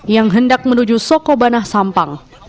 yang hendak menuju sokobanah sampang